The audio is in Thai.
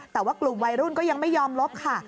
แต่ว่ากลุ่มวัยรุ่นก็ยังไม่ยอมลบค่ะ